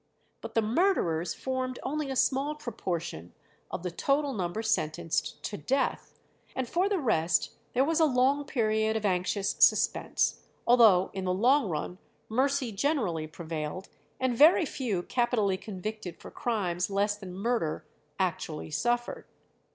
But the murderers formed only a small proportion of the total number sentenced to death, and for the rest there was a long period of anxious suspense, although in the long run mercy generally prevailed, and very few capitally convicted for crimes less than murder actually suffered.